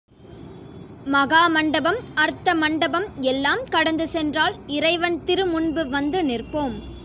மகா மண்டபம், அர்த்த மண்டபம் எல்லாம் கடந்து சென்றால் இறைவன் திருமுன்பு வந்து நிற்போம்.